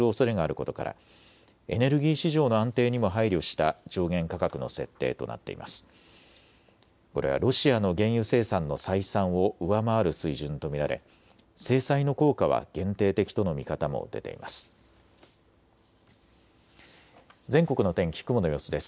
これはロシアの原油生産の採算を上回る水準と見られ制裁の効果は限定的との見方も出ています。